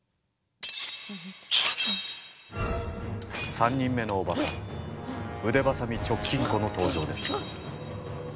３人目のおばさん腕鋏直近子の登場です。